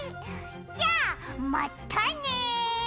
じゃあまったね！